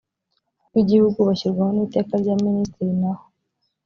rw igihugu bashyirwaho n iteka rya ministiri naho